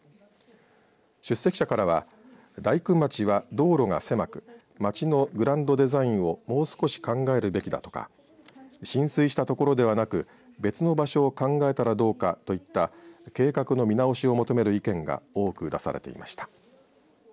出席者からは大工町は道路が狭く町のグランドデザインをもう少し考えるべきだとか浸水した所ではなく別の場所を考えたらどうかといった計画の見直しを求める意見が多く出されていました。